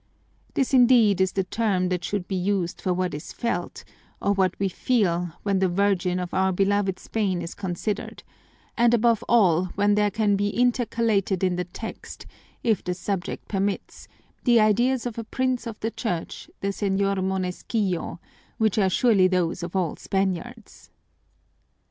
This indeed is the term that should be used for what is felt, or what we feel, when the Virgin of our beloved Spain is considered, and above all when there can be intercalated in the text, if the subject permits, the ideas of a prince of the Church, the Señor Monescillo, which are surely those of all Spaniards.